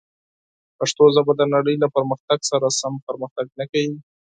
پښتو ژبه د نړۍ له پرمختګ سره سم پرمختګ نه کوي.